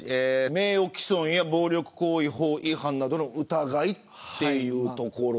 名誉毀損や暴力行為法違反の疑いというところ。